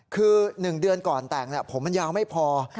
คือ๑เดือนก่อนแต่งผมมันยาวไม่พอ